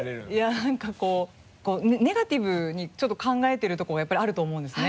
なんかこうネガティブにちょっと考えてるとこがやっぱりあると思うんですね。